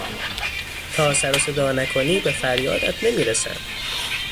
تا سروصدا نکنی به فریادت نمیرسند.